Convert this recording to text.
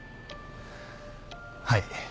はい。